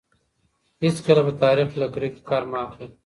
هېڅکله په تاریخ کي له کرکې کار مه اخلئ.